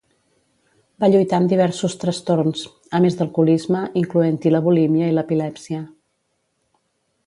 Va lluitar amb diversos trastorns, a més d'alcoholisme, incloent-hi la bulímia i l'epilèpsia.